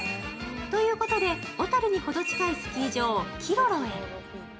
ということで、小樽に程近いスキー場、キロロへ。